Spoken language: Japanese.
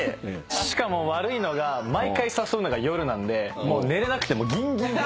しかも悪いのが毎回誘うのが夜なんで寝れなくてもうギンギン。